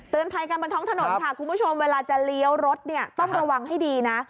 ภัยกันบนท้องถนนค่ะคุณผู้ชมเวลาจะเลี้ยวรถเนี่ยต้องระวังให้ดีนะ